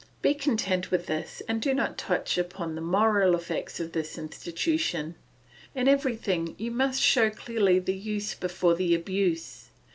Be content with this, and do not touch upon the moral effects of this institution. In everything you must show clearly the use before the abuse.